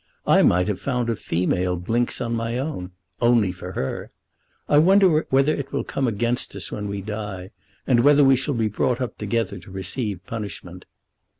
I might have found a female Blinks of my own, only for her. I wonder whether it will come against us when we die, and whether we shall be brought up together to receive punishment."